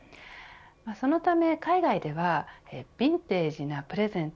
そのため海外ではヴィンテージなプレゼント